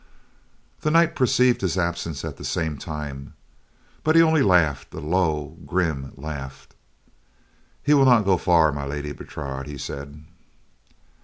The knight perceived his absence at the same time, but he only laughed a low, grim laugh. "He will not go far, My Lady Bertrade," he said.